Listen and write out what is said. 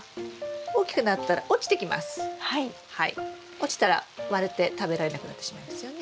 落ちたら割れて食べられなくなってしまいますよね？